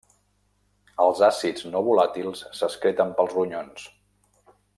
Els àcids no volàtils s'excreten pels ronyons.